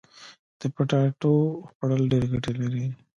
د پټاټو خوړل ډيري ګټي لري.